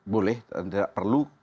boleh dan tidak perlu